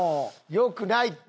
よくないって！